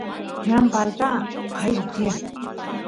ñan palta qaylla tiyan